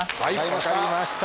分かりました。